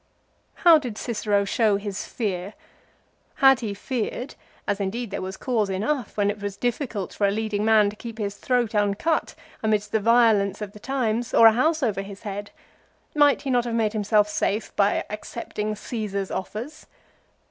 How did Cicero show his fear[? Had he feared, as indeed there was cause enough, when it was difficult for a leading man to keep his throat uncut amidst the violence of the times, or a house over his head, might he not have made himself safe by accepting Caesar's offers